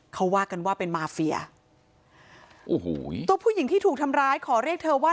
เขาว่ากันว่าเป็นมาเฟียโอ้โหตัวผู้หญิงที่ถูกทำร้ายขอเรียกเธอว่า